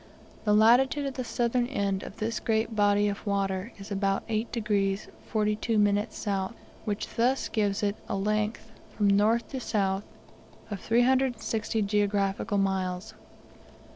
The latitude of the southern end of this great body of water is about 8 degrees 42 minutes south, which thus gives it a length, from north to south, of 360 geographical miles.